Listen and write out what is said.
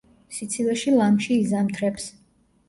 სიცივეში ლამში იზამთრებს.